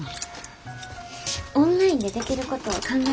オンラインでできることを考えるわ。